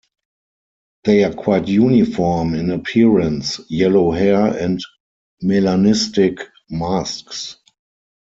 They are quite uniform in appearance, yellow hair and melanistic masks.